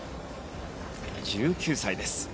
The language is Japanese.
１９歳です。